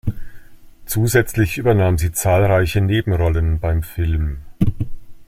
Zusätzlich übernahm sie zahlreiche Nebenrollen beim Film.